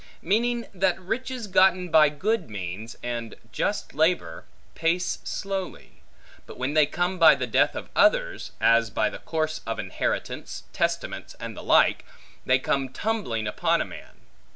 Meaning that riches gotten by good means, and just labor, pace slowly; but when they come by the death of others (as by the course of inheritance, testaments, and the like), they come tumbling upon a man.